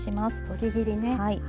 そぎ切りねはい。